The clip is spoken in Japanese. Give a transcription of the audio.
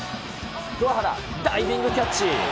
桑原、ダイビングキャッチ。